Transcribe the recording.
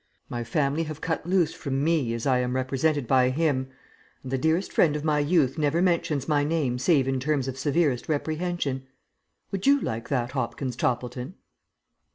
My family have cut loose from me as I am represented by him, and the dearest friend of my youth never mentions my name save in terms of severest reprehension. Would you like that, Hopkins Toppleton?"